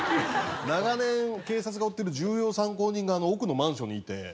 長年警察が追ってる重要参考人が奥のマンションにいて。